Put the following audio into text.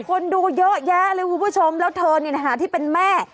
คนดูเยอะแยะเลยคุณผู้ชมแล้วเธอนี่นะคะที่เป็นแม่